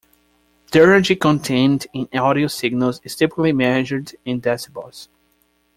The energy contained in audio signals is typically measured in decibels.